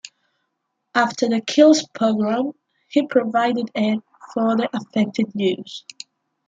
After the Kielce pogrom he provided aid for the affected Jews.